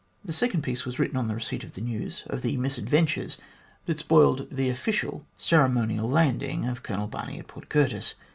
The second piece was written on the receipt of the news of the misadventures that spoiled the official ceremonial landing of Colonel Barney at Port Curtis.